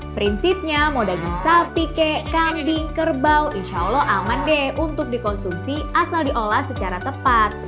prinsipnya mau daging sapi kek kambing kerbau insya allah aman deh untuk dikonsumsi asal diolah secara tepat